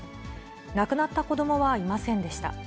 亡くなった子どもはいませんでした。